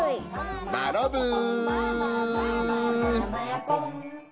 マロブー！